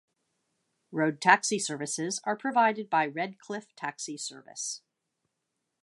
Road taxi services are provided by Redcliffe Taxi Service.